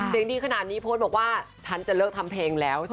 เสียงดีขนาดนี้โพสต์บอกว่าฉันจะเลิกทำเพลงแล้ว